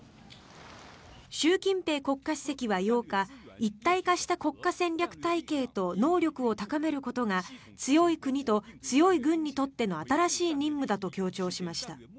習近平国家主席は８日一体化した国家戦略体系と能力を高めることが強い国と強い軍にとっての新しい任務だと強調しました。